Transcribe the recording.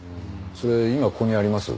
それ今ここにあります？